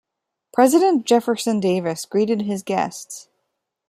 President Jefferson Davis greeted his guests.